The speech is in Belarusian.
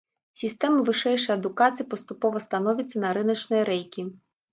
Сістэма вышэйшай адукацыі паступова становіцца на рыначныя рэйкі.